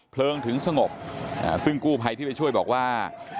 เพลิงถึงสงบซึ่งกู้ภัยที่ไปช่วยบอกว่า